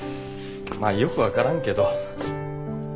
まあよく分からんけど。